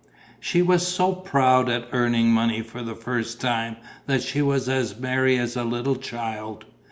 She was so proud at earning money for the first time that she was as merry as a little child.